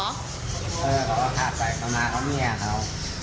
ก็บอกว่าถ่ายไปคำนามเขาเนี่ยเขา